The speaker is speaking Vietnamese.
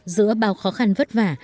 giữa bao khó khăn vất vả